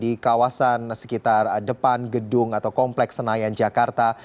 di kawasan sekitar depan gedung atau kompleks senayan jakarta